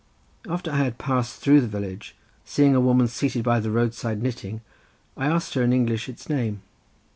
After I had passed through the village, seeing a woman seated by the roadside knitting, I asked her in English its name.